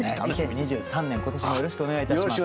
２０２３年今年もよろしくお願いいたします。